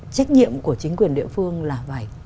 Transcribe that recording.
trách nhiệm của chính quyền địa phương là phải